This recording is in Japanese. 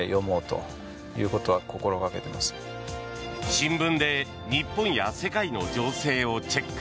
新聞で日本や世界の情勢をチェック。